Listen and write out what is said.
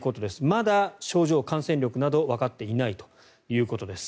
まだ症状、感染力などわかっていないということです。